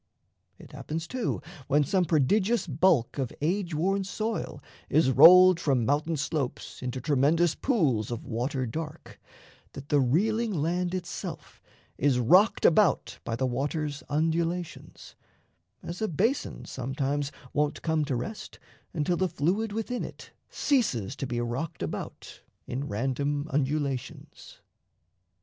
It happens, too, when some prodigious bulk Of age worn soil is rolled from mountain slopes Into tremendous pools of water dark, That the reeling land itself is rocked about By the water's undulations; as a basin Sometimes won't come to rest until the fluid Within it ceases to be rocked about In random undulations.